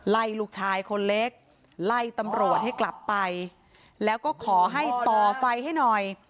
ลูกชายคนเล็กไล่ตำรวจให้กลับไปแล้วก็ขอให้ต่อไฟให้หน่อย